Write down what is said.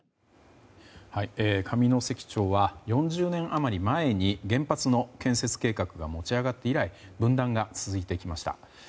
上関町は４０年余り前に原発の建設計画が持ち上がって以来分断が続いてきました。